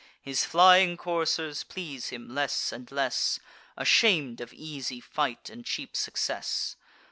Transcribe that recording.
His flying coursers please him less and less, Asham'd of easy fight and cheap success.